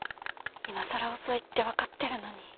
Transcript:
いまさら遅いって分かってるのに。